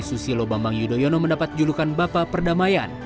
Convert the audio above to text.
susilo bambang yudhoyono mendapat julukan bapak perdamaian